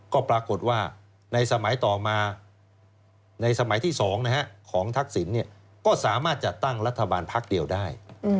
ก็ปรากฏว่าในสมัยต่อมาในสมัยที่๒ของทักษิณก็สามารถจัดตั้งรัฐบาลพักเดียวได้